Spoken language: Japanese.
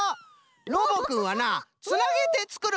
ロボくんはなつなげてつくる